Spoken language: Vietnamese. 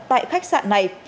tại khách sạn này